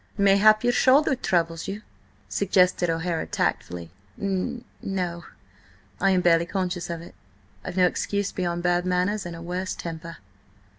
"Mayhap your shoulder troubles you," suggested O'Hara tactfully. "N no, I am barely conscious of it. I've no excuse beyond bad manners and a worse temper."